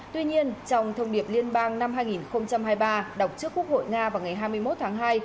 tuy nhiên trong thông điệp liên bang năm hai nghìn hai mươi ba đọc trước quốc hội nga vào ngày hai mươi một tháng hai